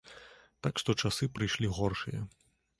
Так што часы прыйшлі горшыя.